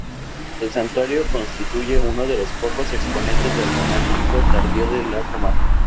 El santuario constituye uno de los pocos exponentes del románico tardío de la comarca.